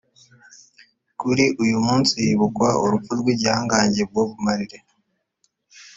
Kuri uyu munsi hibukwa urupfu rw’igihangange Bob Marley